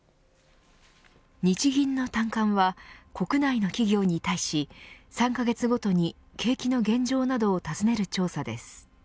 日銀の短観は国内の企業に対し３カ月ごとに景気の現状などを尋ねる調査です。